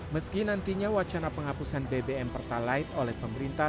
meski nantinya wacana penghapusan bbm pertalite oleh pemerintah